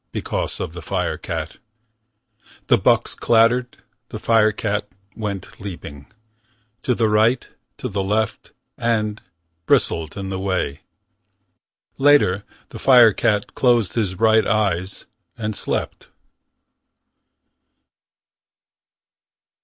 Because of the firecat. The bucks clattered. The firecat went leaping. To the right, to the left. And Bristled in the way. Later, the firecat closed his bright eyes And slept.